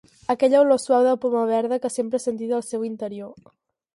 Aquella olor suau de poma verda que sempre he sentit al seu interior.